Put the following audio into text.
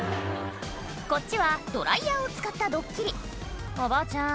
こっちはドライヤーを使ったドッキリ「おばあちゃん